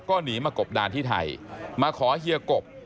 ก็หนีมากบดานที่ไทยมาขอเฮียกบ